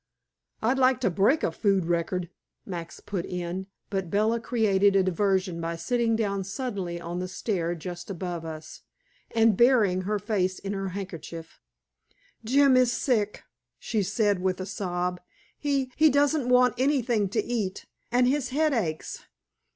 "I'd like to break a food record," Max put in, but Bella created a diversion by sitting down suddenly on the stair just above us, and burying her face in her handkerchief. "Jim is sick," she said, with a sob. "He he doesn't want anything to eat, and his head aches.